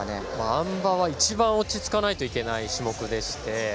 あん馬は一番落ち着かないといけない種目でして。